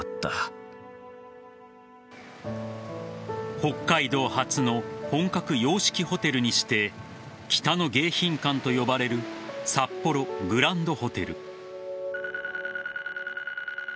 北海道初の本格洋式ホテルにして北の迎賓館と呼ばれる札幌グランドホテル。